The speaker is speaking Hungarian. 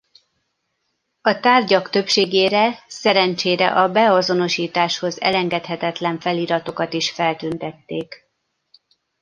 A tárgyak többségére szerencsére a beazonosításhoz elengedhetetlen feliratokat is feltüntették.